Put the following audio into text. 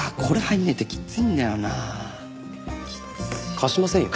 貸しませんよ。